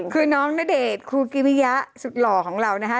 คือน้องณเดชน์ครูกิวิยะสุดหล่อของเรานะคะ